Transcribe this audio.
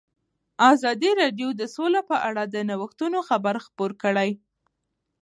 ازادي راډیو د سوله په اړه د نوښتونو خبر ورکړی.